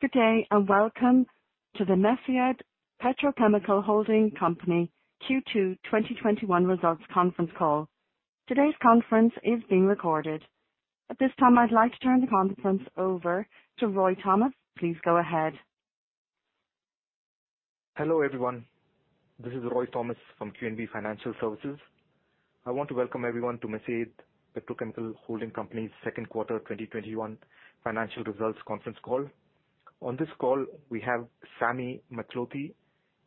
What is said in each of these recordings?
Good day, welcome to the Mesaieed Petrochemical Holding Company Q2 2021 results conference call. Today's conference is being recorded. At this time, I'd like to turn the conference over to Roy Thomas. Please go ahead. Hello, everyone. This is Roy Thomas from QNB Financial Services. I want to welcome everyone to Mesaieed Petrochemical Holding Company's second quarter 2021 financial results conference call. On this call, we have Sami Mathlouthi,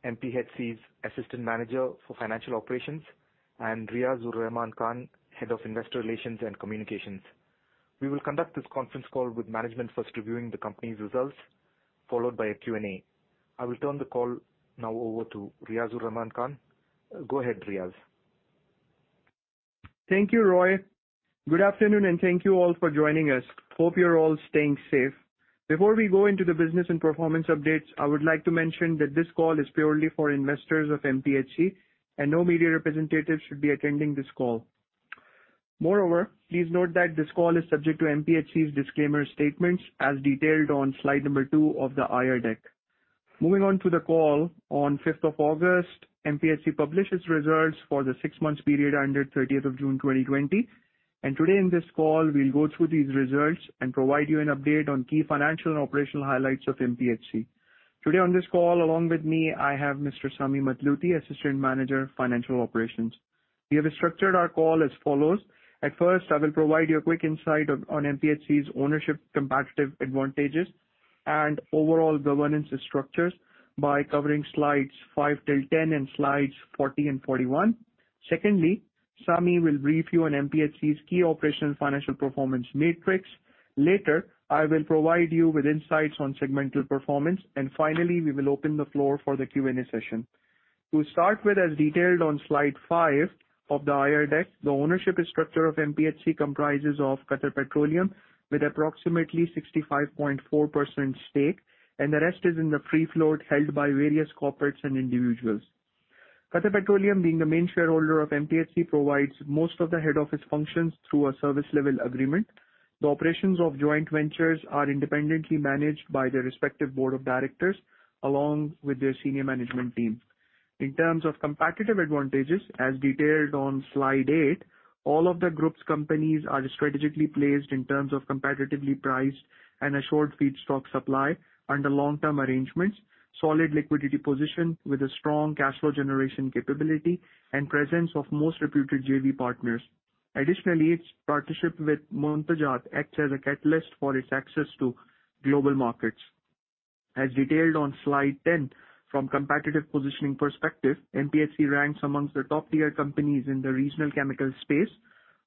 MPHC's Assistant Manager for Financial Operations, and Riazur Rahman Khan, Head of Investor Relations and Communications. We will conduct this conference call with management first reviewing the company's results, followed by a Q&A. I will turn the call now over to Riazur Rahman Khan. Go ahead, Riaz. Thank you, Roy. Good afternoon, thank you all for joining us. Hope you're all staying safe. Before we go into the business and performance updates, I would like to mention that this call is purely for investors of MPHC, and no media representatives should be attending this call. Moreover, please note that this call is subject to MPHC's disclaimer statements as detailed on slide number two of the IR deck. Moving on to the call, on the fifth of August, MPHC published its results for the six-month period ended the thirtieth of June 2020. Today in this call, we'll go through these results and provide you an update on key financial and operational highlights of MPHC. Today on this call, along with me, I have Mr. Sami Mathlouthi, Assistant Manager of Financial Operations. We have structured our call as follows. At first, I will provide you a quick insight on MPHC's ownership competitive advantages and overall governance structures by covering slides five till 10 and slides 40 and 41. Secondly, Sami will brief you on MPHC's key operational financial performance matrix. Later, I will provide you with insights on segmental performance. Finally, we will open the floor for the Q&A session. To start with, as detailed on slide five of the IR deck, the ownership structure of MPHC comprises of Qatar Petroleum with approximately 65.4% stake, and the rest is in the free float held by various corporates and individuals. Qatar Petroleum, being the main shareholder of MPHC, provides most of the head office functions through a service level agreement. The operations of joint ventures are independently managed by their respective board of directors, along with their senior management team. In terms of competitive advantages, as detailed on slide eight, all of the group's companies are strategically placed in terms of competitively priced and assured feedstock supply under long-term arrangements, solid liquidity position with a strong cash flow generation capability, and presence of most reputed JV partners. Additionally, its partnership with Muntajat acts as a catalyst for its access to global markets. As detailed on slide 10, from competitive positioning perspective, MPHC ranks amongst the top-tier companies in the regional chemical space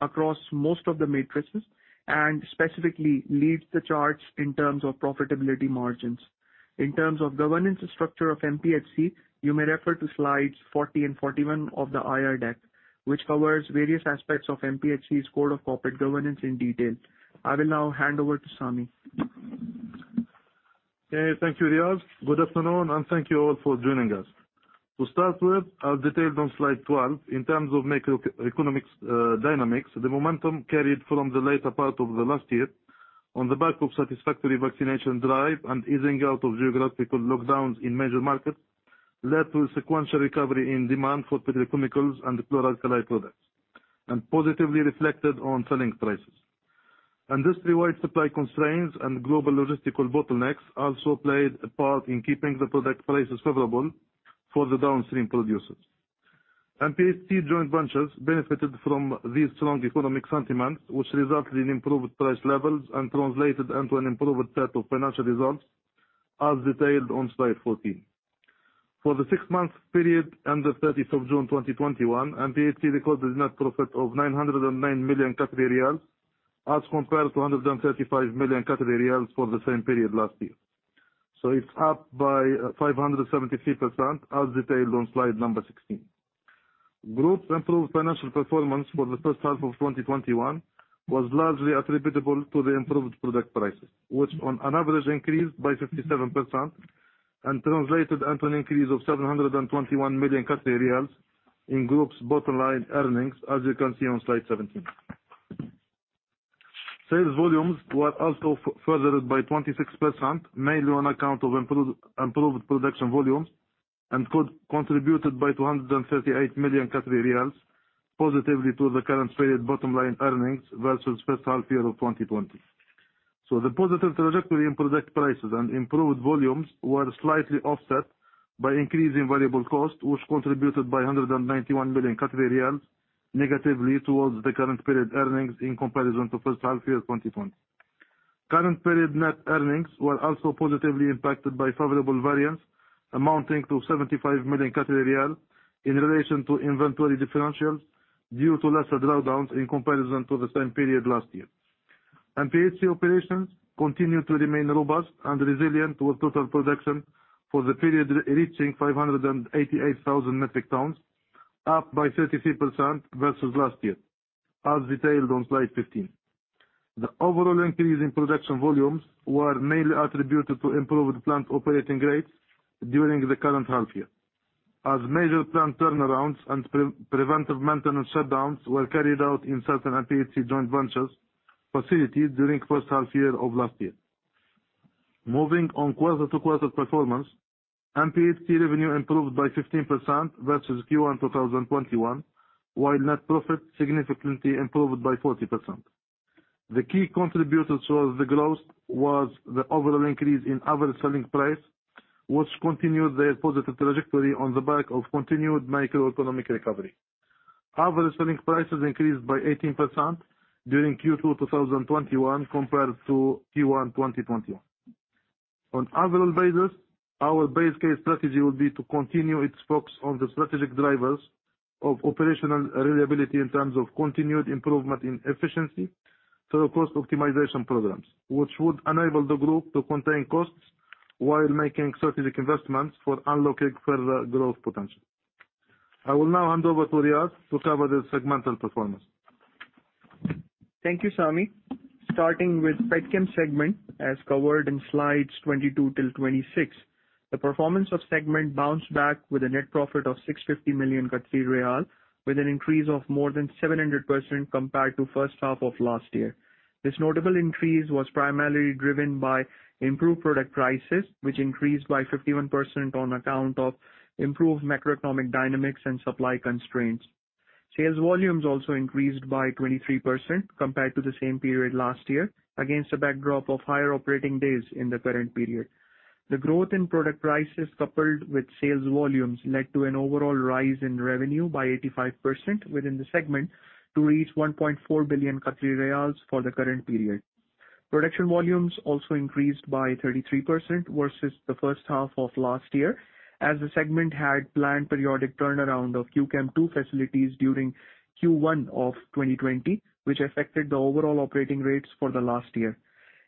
across most of the matrices, and specifically leads the charts in terms of profitability margins. In terms of governance structure of MPHC, you may refer to slides 40 and 41 of the IR deck, which covers various aspects of MPHC's code of corporate governance in detail. I will now hand over to Sami. Yeah. Thank you, Riaz. Good afternoon, and thank you all for joining us. To start with, as detailed on slide 12, in terms of macroeconomic dynamics, the momentum carried from the later part of the last year on the back of satisfactory vaccination drive and easing out of geographical lockdowns in major markets led to a sequential recovery in demand for petrochemicals and chlor-alkali products and positively reflected on selling prices. Industry-wide supply constraints and global logistical bottlenecks also played a part in keeping the product prices favorable for the downstream producers. MPHC joint ventures benefited from these strong economic sentiments, which resulted in improved price levels and translated into an improved set of financial results, as detailed on slide 14. For the six-month period ended 30th of June 2021, MPHC recorded net profit of 909 million Qatari riyals as compared to 135 million Qatari riyals for the same period last year. It's up by 573% as detailed on slide number 16. Group's improved financial performance for the first half of 2021 was largely attributable to the improved product prices, which on an average increased by 57% and translated into an increase of 721 million Qatari riyals in Group's bottom line earnings, as you can see on slide 17. Sales volumes were also furthered by 26%, mainly on account of improved production volumes and contributed by 238 million Qatari riyals positively to the current period bottom line earnings versus first half year of 2020. The positive trajectory in product prices and improved volumes were slightly offset by increasing variable cost, which contributed by 191 million Qatari riyals negatively towards the current period earnings in comparison to first half year 2020. Current period net earnings were also positively impacted by favorable variance amounting to 75 million in relation to inventory differentials due to lesser drawdowns in comparison to the same period last year. MPHC operations continue to remain robust and resilient with total production for the period reaching 588,000 metric tons, up by 33% versus last year, as detailed on slide 15. The overall increase in production volumes were mainly attributed to improved plant operating rates during the current half year. As major plant turnarounds and preventive maintenance shutdowns were carried out in certain MPHC joint ventures facilities during first half year of last year. Moving on quarter-to-quarter performance, MPHC revenue improved by 15% versus Q1 2021, while net profit significantly improved by 40%. The key contributor towards the growth was the overall increase in average selling price, which continued their positive trajectory on the back of continued macroeconomic recovery. Average selling prices increased by 18% during Q2 2021 compared to Q1 2021. On overall basis, our base case strategy will be to continue its focus on the strategic drivers of operational reliability in terms of continued improvement in efficiency, through cost optimization programs, which would enable the group to contain costs while making strategic investments for unlocking further growth potential. I will now hand over to Riaz to cover the segmental performance. Thank you, Sami. Starting with Petchem segment, as covered in slides 22 till 26. The performance of segment bounced back with a net profit of 650 million, with an increase of more than 700% compared to first half of last year. This notable increase was primarily driven by improved product prices, which increased by 51% on account of improved macroeconomic dynamics and supply constraints. Sales volumes also increased by 23% compared to the same period last year, against a backdrop of higher operating days in the current period. The growth in product prices, coupled with sales volumes, led to an overall rise in revenue by 85% within the segment to reach 1.4 billion Qatari riyals for the current period. Production volumes also increased by 33% versus the first half of last year, as the segment had planned periodic turnaround of Q-Chem 2 facilities during Q1 of 2020, which affected the overall operating rates for the last year.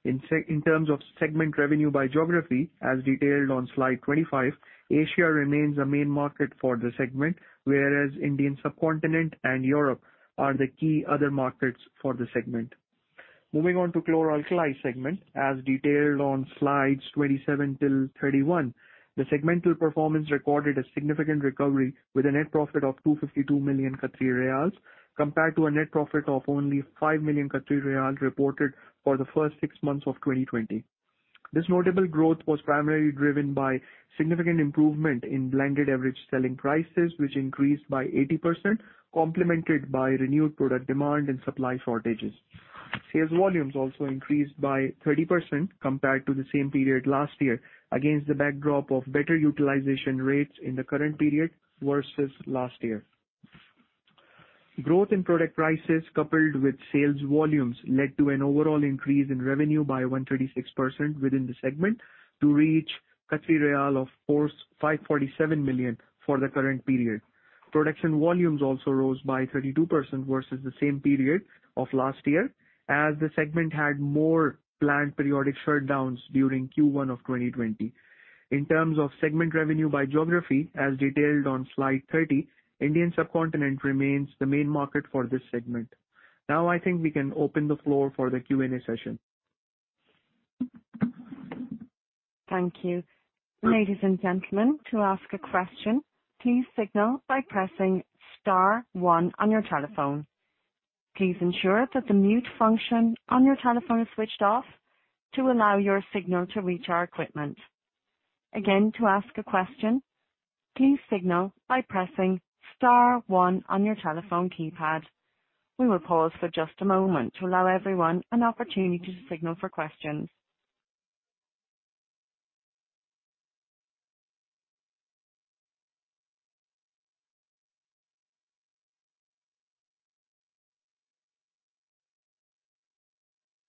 In terms of segment revenue by geography, as detailed on slide 25, Asia remains a main market for the segment, whereas Indian subcontinent and Europe are the key other markets for the segment. Moving on to chlor-alkali segment as detailed on slides 27 till 31. The segmental performance recorded a significant recovery with a net profit of 252 million Qatari riyals, compared to a net profit of only 5 million Qatari riyals reported for the first six months of 2020. This notable growth was primarily driven by significant improvement in blended average selling prices, which increased by 80%, complemented by renewed product demand and supply shortages. Sales volumes also increased by 30% compared to the same period last year against the backdrop of better utilization rates in the current period versus last year. Growth in product prices, coupled with sales volumes, led to an overall increase in revenue by 136% within the segment to reach 547 million for the current period. Production volumes also rose by 32% versus the same period of last year as the segment had more planned periodic shutdowns during Q1 of 2020. In terms of segment revenue by geography, as detailed on slide 30, Indian subcontinent remains the main market for this segment. I think we can open the floor for the Q&A session. Thank you. Ladies and gentlemen, to ask a question, please signal by pressing *1 on your telephone. Please ensure that the mute function on your telephone is switched off to allow your signal to reach our equipment. Again, to ask a question, please signal by pressing *1 on your telephone keypad. We will pause for just a moment to allow everyone an opportunity to signal for questions.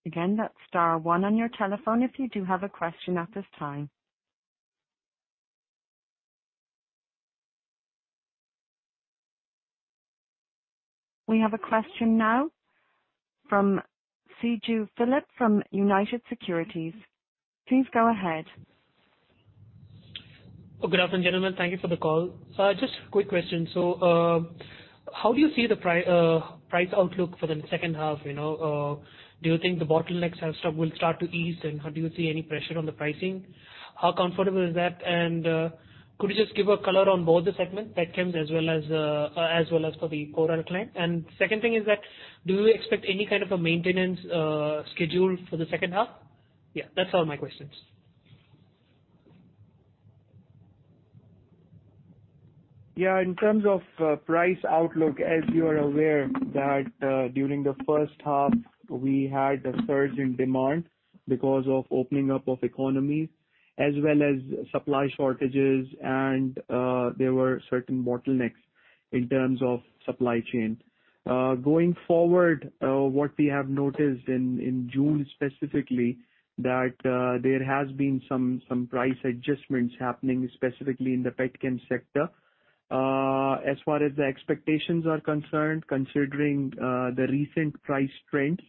Again, that's *1 on your telephone if you do have a question at this time. We have a question now from Siju Philip, from United Securities. Please go ahead. Good afternoon, gentlemen. Thank you for the call. Just a quick question. How do you see the price outlook for the second half? Do you think the bottlenecks will start to ease, and do you see any pressure on the pricing? How comfortable is that? Could you just give a color on both the segments, Petchem as well as for the chlor-alkali. Second thing is that, do you expect any kind of a maintenance schedule for the second half? Yeah, that's all my questions. Yeah. In terms of price outlook, as you are aware that during the first half, we had a surge in demand because of opening up of economies as well as supply shortages. There were certain bottlenecks in terms of supply chain. Going forward, what we have noticed in June specifically, that there has been some price adjustments happening, specifically in the Petchem sector. As far as the expectations are concerned, considering the recent price trends.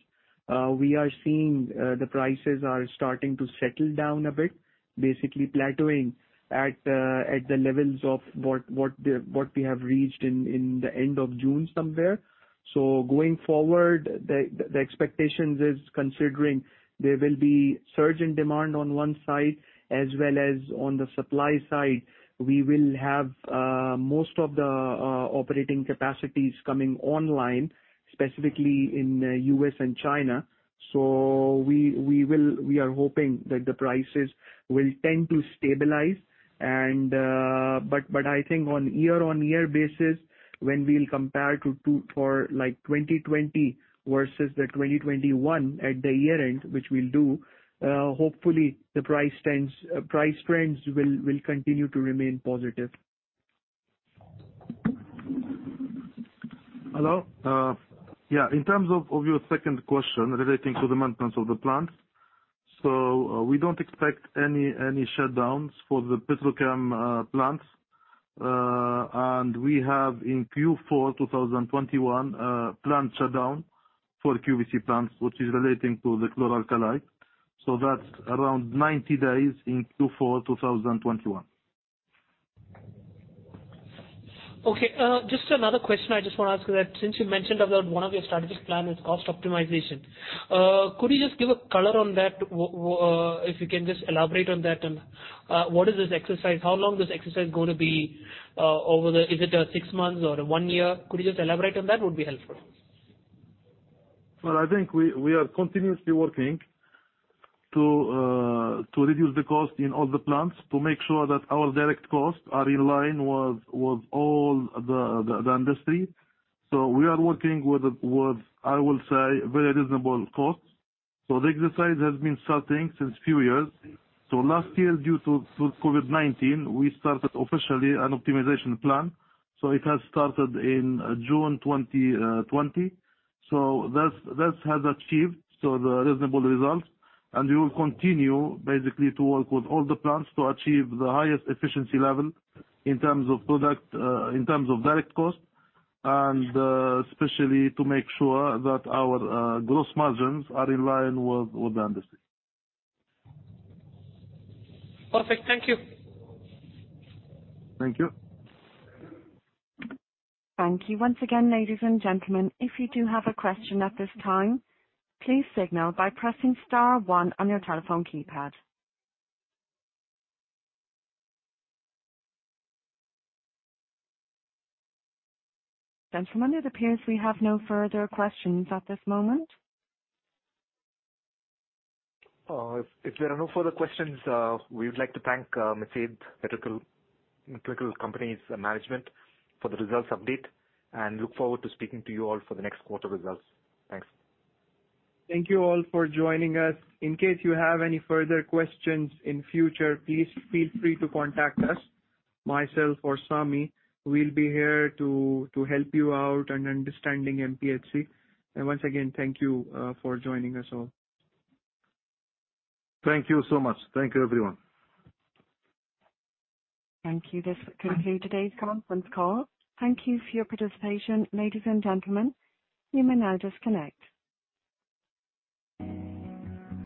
We are seeing the prices are starting to settle down a bit, basically plateauing at the levels of what we have reached in the end of June somewhere. Going forward, the expectation is considering there will be surge in demand on one side as well as on the supply side, we will have most of the operating capacities coming online, specifically in U.S. and China. We are hoping that the prices will tend to stabilize. I think on year-on-year basis, when we'll compare for 2020 versus the 2021 at the year-end, which we'll do, hopefully the price trends will continue to remain positive. Hello. Yeah, in terms of your second question relating to the maintenance of the plants. We don't expect any shutdowns for the Petchem plants. We have in Q4 2021, a plant shutdown for QVC plants, which is relating to the chlor-alkali. That's around 90 days in Q4 2021. Okay. Just another question I just want to ask. Since you mentioned about one of your strategic plan was cost optimization, could you just give a color on that? If you can just elaborate on that, and what is this exercise? How long this exercise going to be? Is it a six months or one year? Could you just elaborate on that would be helpful. Well, I think we are continuously working to reduce the cost in all the plants to make sure that our direct costs are in line with all the industry. We are working with, I will say, very reasonable costs. The exercise has been starting since few years. Last year, due to COVID-19, we started officially an optimization plan. It has started in June 2020. That has achieved the reasonable results, and we will continue basically to work with all the plants to achieve the highest efficiency level in terms of direct cost, and especially to make sure that our gross margins are in line with the industry. Perfect. Thank you. Thank you. Thank you once again, ladies and gentlemen. If you do have a question at this time, please signal by pressing star one on your telephone keypad. Gentlemen, it appears we have no further questions at this moment. If there are no further questions, we would like to thank Mesaieed Petrochemical Company's management for the results update, and look forward to speaking to you all for the next quarter results. Thanks. Thank you all for joining us. In case you have any further questions in future, please feel free to contact us. Myself or Sami, we will be here to help you out in understanding MPHC. Once again, thank you for joining us all. Thank you so much. Thank you, everyone. Thank you. This concludes today's conference call. Thank you for your participation, ladies and gentlemen. You may now disconnect.